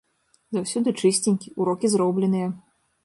Заўсёды чысценькі, урокі зробленыя.